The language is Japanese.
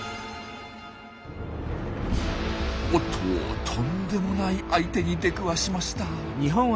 おっととんでもない相手に出くわしました。